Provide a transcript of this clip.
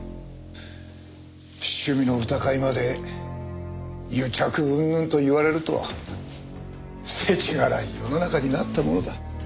趣味の歌会まで癒着うんぬんと言われるとは世知辛い世の中になったものだ。